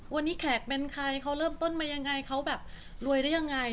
วันนี้แขกเป็นใครเขาเริ่มต้นมายังไงเขาแบบรวยได้ยังไง